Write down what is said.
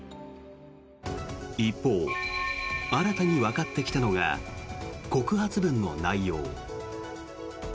一方、新たにわかってきたのが告発文の内容。